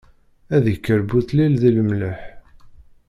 Ad ikker butlil di lemleḥ.